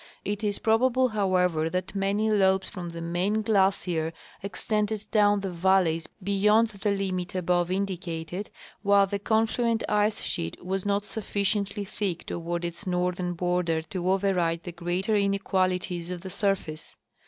It is probable, however, that many lobes from the main glacier extended down the valleys beyond the limit above in dicated, while the confluent ice sheet was not sufficiently thick toward its northern border to override the greater inequalities of the surface.